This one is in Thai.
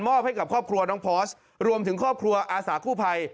ให้กับครอบครัวน้องพอร์สรวมถึงครอบครัวอาสากู้ภัย